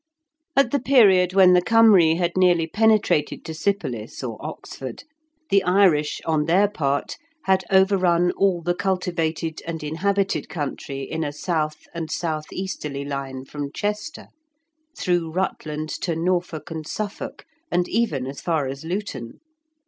At the period when the Cymry had nearly penetrated to Sypolis or Oxford, the Irish, on their part, had overrun all the cultivated and inhabited country in a south and south easterly line from Chester, through Rutland to Norfolk and Suffolk, and even as far as Luton.